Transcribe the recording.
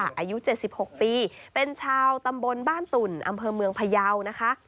อายุ๗๖ปีเป็นชาวตำบลบ้านตุ่นอำเภอเมืองพยาวนะคะ